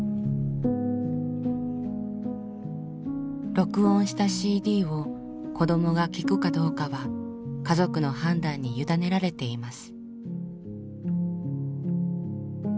録音したＣＤを子どもが聞くかどうかは家族の判断に委ねられています。